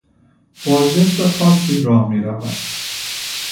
با ژست خاصی راه میرود.